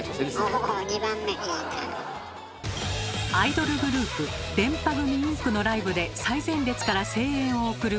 アイドルグループでんぱ組．ｉｎｃのライブで最前列から声援を送る